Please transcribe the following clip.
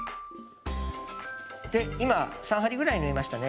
今３針ぐらい縫いましたね。